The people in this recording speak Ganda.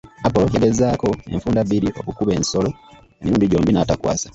Apolo yagezaako enfunda bbiri okukuba ensolo, emirundi gyombi n'atakwasa.